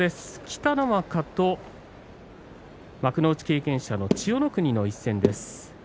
北の若と幕内経験者の千代の国の一戦です。